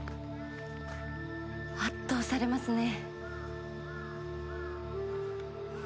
圧倒されますね。